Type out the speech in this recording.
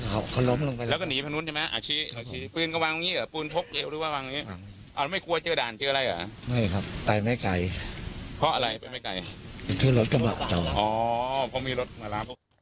เพราะมีรถเข้ามาแล้ว